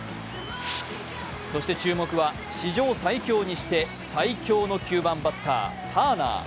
そして、注目は史上最強にして最恐の９番バッター・ターナー。